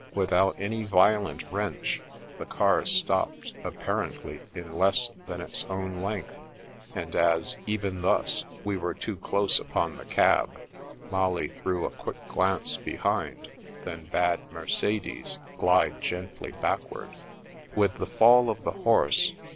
Without any violent wrench, the car stopped apparently in less than its own length, and as, even thus, we were too close upon the cab, Molly threw a quick glance behind, then bade Mercedes glide gently backward. With the fall of the horse.